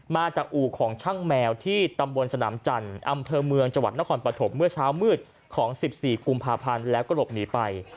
อู่ของช่างแมวที่ตำบลสนามจันทร์อำเภอเมืองจังหวัดนครปฐมเมื่อเช้ามืดของ๑๔กุมภาพันธ์แล้วก็หลบหนีไป